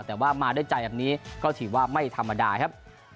แต่ว่ามาด้วยใจแบบนี้ก็ถือว่าไม่ธรรมดาครับ